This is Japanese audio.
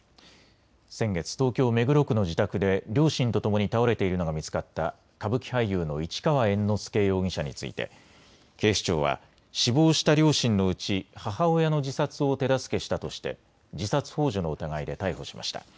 先月、東京目黒区の自宅で両親とともに倒れているのが見つかった歌舞伎俳優の市川猿之助容疑者について警視庁は死亡した両親のうち母親の自殺を手助けしたとして自殺ほう助の疑いで逮捕しました。